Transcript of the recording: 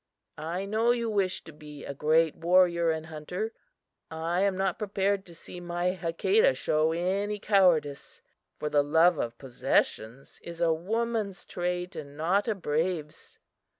I know you wish to be a great warrior and hunter. I am not prepared to see my Hakadah show any cowardice, for the love of possessions is a woman's trait and not a brave's."